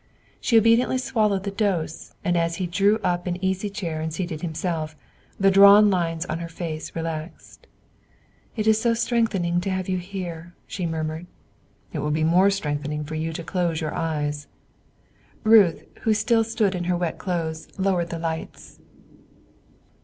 She obediently swallowed the dose; and as he drew up an easy chair and seated himself, the drawn lines on her face relaxed. "It is so strengthening to have you here," she murmured. "It will be more strengthening for you to close your eyes." Ruth, who still stood in her wet clothes, lowered the lights.